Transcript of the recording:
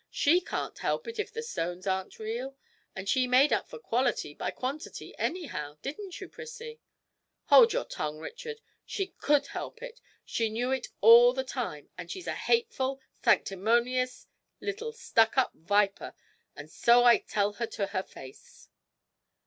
She can't help it if the stones aren't real, and she made up for quality by quantity anyhow; didn't you, Prissie?' 'Hold your tongue, Richard; she could help it, she knew it all the time, and she's a hateful, sanctimonious little stuck up viper, and so I tell her to her face!'